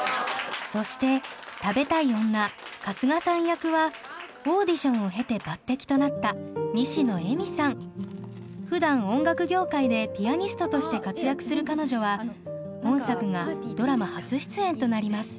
そして食べたい女春日さん役はオーディションを経て抜てきとなったふだん音楽業界でピアニストとして活躍する彼女は本作がドラマ初出演となります。